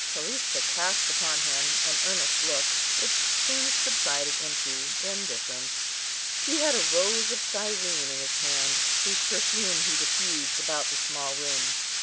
Callista cast upon him an earnest look, which soon subsided into indifference. He had a rose of Cyrene in his hand, whose perfume he diffused about the small room.